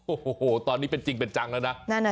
โอ้โหตอนนี้เป็นจริงเป็นจังแล้วนะ